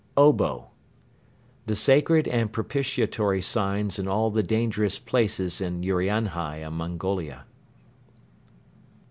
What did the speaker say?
Obo. The sacred and propitiatory signs in all the dangerous places in Urianhai and Mongolia.